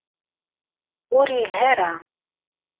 Ur yelhi ara.